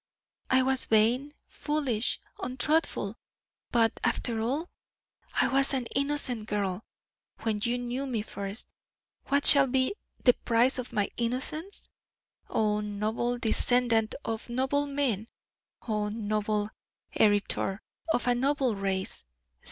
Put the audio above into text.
I was vain, foolish, untruthful, but, after all, I was an innocent girl when you knew me first. What shall be the price of my innocence? Oh, noble descendant of noble men oh, noble heritor of a noble race.